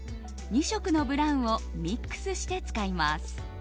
２色のブラウンをミックスして使います。